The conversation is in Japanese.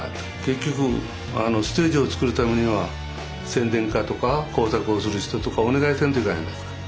結局ステージを作るためには宣伝課とか工作をする人とかお願いせんといかんやないですか。